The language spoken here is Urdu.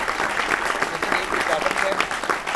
لیکن ایک رکاوٹ ہے۔